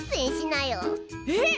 えっ！？